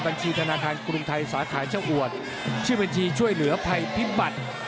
บัญชีธนาคารกรุงไทยสาขาเจ้าอวดชื่อบัญชีช่วยเหลือภัยพิบัติ